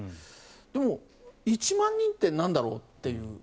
でも、１万人ってなんだろうっていう。